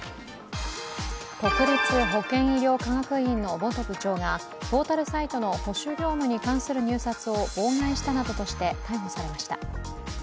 国立保健医療科学院の元部長がポータルサイトの保守業務に関する入札を妨害したなどとして逮捕されました。